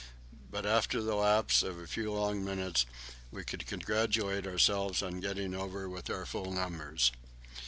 But after the lapse of a few long minutes we could congratulate ourselves on getting over with our full numbers.